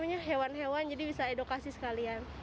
pokoknya hewan hewan jadi bisa edukasi sekalian